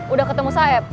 udah ketemu saeb